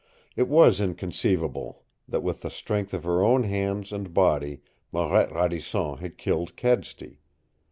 It was inconceivable that with the strength of her own hands and body Marette Radisson had killed Kedsty.